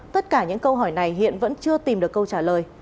tất cả những câu hỏi này hiện vẫn chưa tìm được câu trả lời